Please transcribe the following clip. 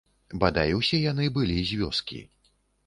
Бадай усе яны былі з вёскі.